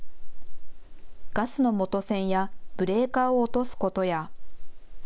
ガスの元栓やブレーカーを落とすことや。